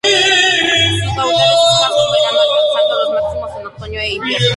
Su caudal es escaso en verano, alcanzando los máximos en otoño e invierno.